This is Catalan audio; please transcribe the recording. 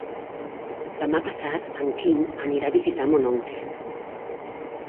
Demà passat en Quim anirà a visitar mon oncle.